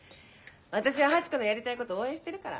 私はハチ子のやりたいこと応援してるから。